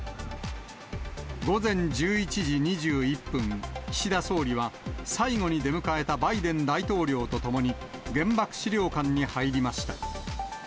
午前１１時２１分、岸田総理は、最後に出迎えたバイデン大統領と共に、原爆資料館に入りました。